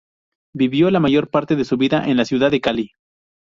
Vivió la mayor parte de su vida en la ciudad de Cali.